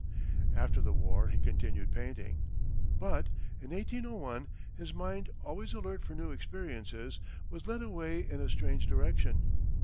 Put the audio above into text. After the war he continued painting, but, in 1801, his mind, always alert for new experiences, was led away in a strange direction.